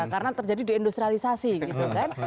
karena terjadi diindustrialisasi gitu kan